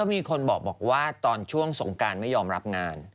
มีคนบอกว่าตอนช่วงสงการไม่ยอมรับงาน